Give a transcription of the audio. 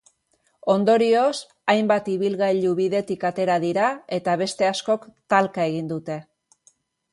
Ondorioz, hainbat ibilgailu bidetik atera dira eta beste askok talka egin dute.